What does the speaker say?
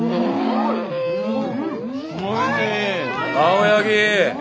青柳。